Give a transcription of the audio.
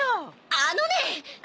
あのねえ！